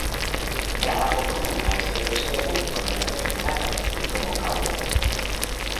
Trabajó como maestro de escuela en el condado de Navarro y como cowboy.